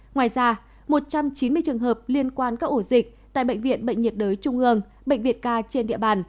ngoài ra một trăm chín mươi trường hợp liên quan các ổ dịch tại bệnh viện bệnh nhiệt đới trung ương bệnh viện k trên địa bàn